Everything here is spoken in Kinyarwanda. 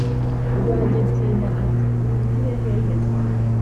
Rwagitinya ati"duhungire hehe se?"